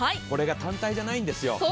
これが単体じゃないんですよ。